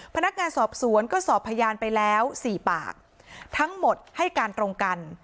พนักงานสอบสวนก็สอบพยานไปแล้วสี่ปากทั้งหมดให้การตรงกัน